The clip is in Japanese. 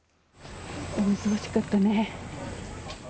恐ろしかったね。